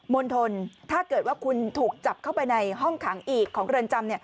มณฑลถ้าเกิดว่าคุณถูกจับเข้าไปในห้องขังอีกของเรือนจำ